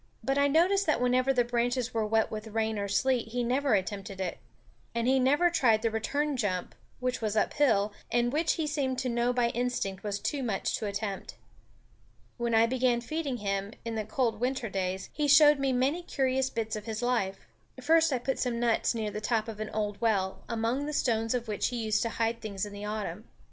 But I noticed that whenever the branches were wet with rain or sleet he never attempted it; and he never tried the return jump, which was uphill, and which he seemed to know by instinct was too much to attempt. When I began feeding him, in the cold winter days, he showed me many curious bits of his life. First I put some nuts near the top of an old well, among the stones of which he used to hide things in the autumn.